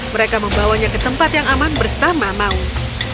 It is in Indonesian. mereka membawanya ke tempat yang aman bersama maung